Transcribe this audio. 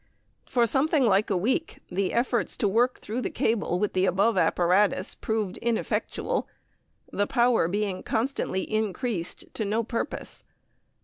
For something like a week the efforts to work through the cable with the above apparatus proved ineffectual, the power being constantly increased to no purpose.